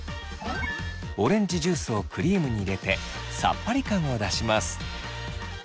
オレンジジュースをクリームに入れてさっぱり感を出します。